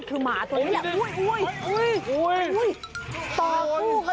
คือหมาตัวนี้แหละ